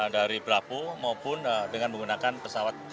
dari bravo maupun dengan menggunakan pesawat charlie ini